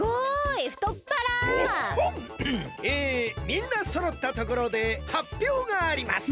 みんなそろったところではっぴょうがあります。